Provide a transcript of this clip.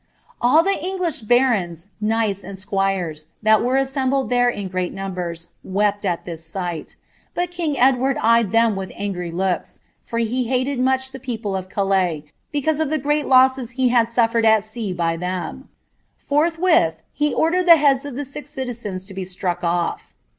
'^All ihe Knglish barona, kuigliis, and squires, that ihere in great numbers, wept at this sieht ; but kin|; Edwrnrd eywl ihM with angry looks, for he hated much the people 0[ Calais, bvcaws rf the great losses he had suflered at sea by tliem. Ponhwith he oidind the heads of the sis citizens to be struck off.